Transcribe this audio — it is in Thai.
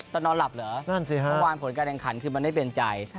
แล้วน้องแล้วหลับเหรอประมาณผลการแรงขันคือมันไม่เป็นใจ